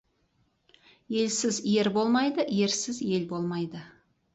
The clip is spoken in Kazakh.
Елсіз ер болмайды, ерсіз ел болмайды.